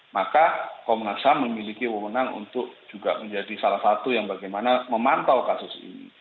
maka komnas ham memiliki wawonan untuk juga menjadi salah satu yang bagaimana memantau kasus ini